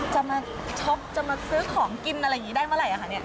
จะมาช็อปจะมาซื้อของกินอะไรอย่างนี้ได้เมื่อไหร่คะเนี่ย